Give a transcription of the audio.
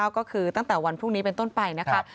ก็คือตั้งแต่วันพรุ่งนี้เป็นต้นไปนะคะ